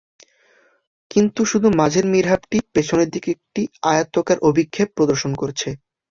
কিন্তু শুধু মাঝের মিহরাবটি পেছনদিকে একটি আয়তাকার অভিক্ষেপ প্রদর্শন করছে।